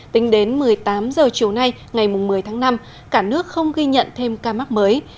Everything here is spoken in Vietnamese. tính đến một mươi tám h chiều nay ngày một mươi tháng năm cả nước không ghi nhận thêm ca mắc mới